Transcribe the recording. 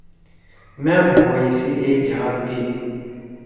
مأ بھوئی سی اے جھاگ دیِد۔